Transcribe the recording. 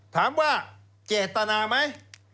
ถามว่าเจตนาไหม